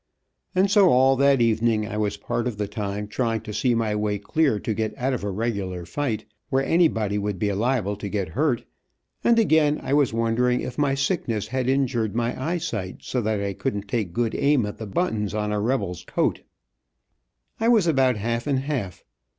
And so all that evening I was part of the time trying to see my way clear to get out of a regular fight, where anybody would be liable to get hurt, and again I was wondering if my sickness had injured my eyesight so I couldn't take good aim at the buttons on a rebel's coat. I was about half and half.